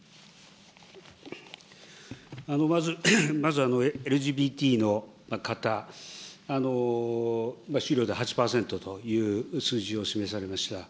まずＬＧＢＴの方、資料で８％という数字を示されました。